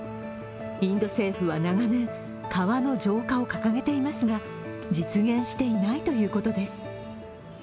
インド政府は長年川の浄化を掲げていますが実現していないということです。